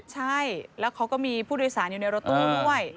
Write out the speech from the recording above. ใช่แล้วเขาก็มีผู้โดยสารอยู่ในรถตู้ด้วย